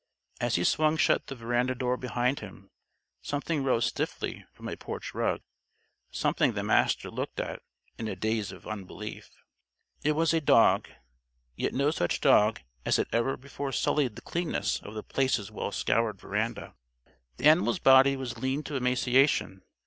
As he swung shut the veranda door behind him, Something arose stiffly from a porch rug Something the Master looked at in a daze of unbelief. It was a dog yet no such dog as had ever before sullied the cleanness of The Place's well scoured veranda. The animal's body was lean to emaciation.